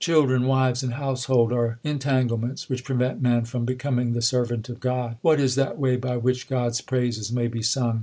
Children, wives, and household are entanglements Which prevent man from becoming the servant of God. What is that way by which God s praises may be sung